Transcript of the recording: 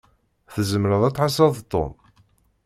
Tzemṛeḍ ad tɛasseḍ Tom?